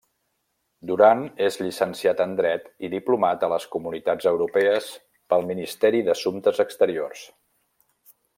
Duran és llicenciat en dret i diplomat a les comunitats europees pel Ministeri d'Assumptes Exteriors.